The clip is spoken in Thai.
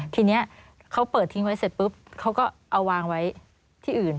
ทีนี้เขาเปิดทิ้งไว้เสร็จปุ๊บเขาก็เอาวางไว้ที่อื่น